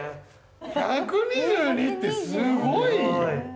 １２２ってすごいよ！